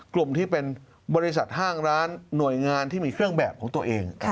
กลุ่มที่เป็นบริษัทห้างร้านหน่วยงานที่มีเครื่องแบบของตัวเอง